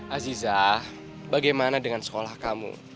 aziza bagaimana dengan sekolah kamu